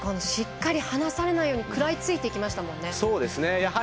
しっかり離されないように食らいついていきましたもんね。